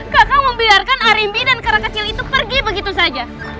kak saya membiarkan arimbi dan kera kecil itu pergi begitu saja